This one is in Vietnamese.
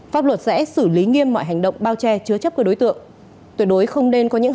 pháp luật sẽ xử lý nghiêm mọi hành động bao che chứa chấp cơ đối tượng tuyệt đối không nên có những